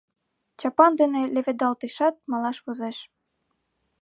Чапан дене леведалтешат, малаш возеш.